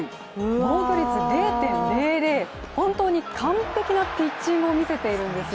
防御率０．００、本当に完璧なピッチングを見せているんですよ。